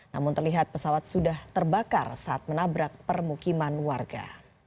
namun terlihat pesawat sudah terbakar saat menabrak permukiman warga